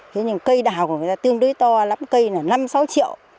thế nhưng cây đào của người ta tương đối to lắm cây là năm sáu triệu